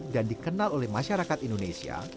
dan dikenal oleh masyarakat indonesia